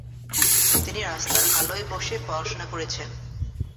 তিনি রাস্তার আলোয় বসে পড়াশোনা করেছেন।